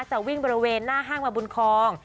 จะวิ่งบริเวณหน้าห้างมาบุญคลอง